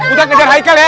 ustaz ngejar haikal ya